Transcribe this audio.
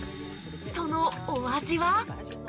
そのお味は？